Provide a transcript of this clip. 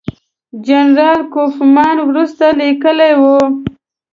جنرال کوفمان وروسته لیکلي وو.